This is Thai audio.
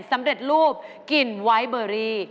สำเร็จรูปกลิ่นไวท์เบอรี่